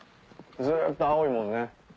ずっと青いもんね。